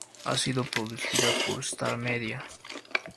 Ha sido producida por Star Media.